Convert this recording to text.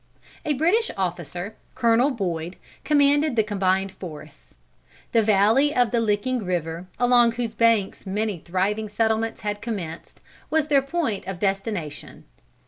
A British officer, Colonel Boyd, commanded the combined force. The valley of the Licking River, along whose banks many thriving settlements had commenced, was their point of destination.